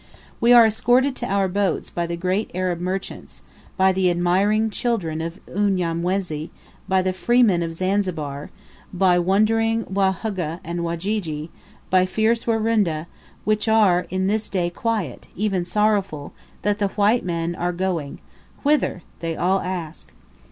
We are escorted to our boats by the great Arab merchants, by the admiring children of Unyamwezi, by the freemen of Zanzibar, by wondering Waguhha and Wajiji, by fierce Warundi, who are on this day quiet, even sorrowful, that the white men are going "Whither?" they all ask.